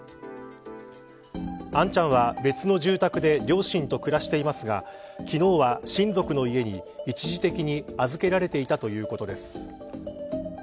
杏ちゃんは、別の住宅で両親と暮らしていますが昨日は、親族の家に一時的に預けられていたということです。